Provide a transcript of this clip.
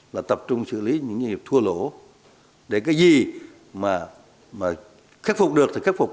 là tập trung xử lý những doanh nghiệp thua lỗ để cái gì mà khắc phục được thì khắc phục